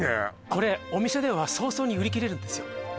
これお店では早々に売り切れるんですよ